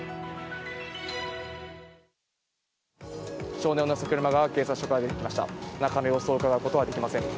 少年を乗せた車が警察署から出てきました。